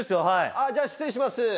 あっじゃあ失礼します。